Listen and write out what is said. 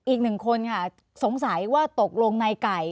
อีกหนึ่งคนค่ะสงสัยว่าตกลงในไก่